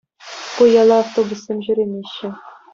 Ку яла автобуссем ҫӳремеҫҫӗ.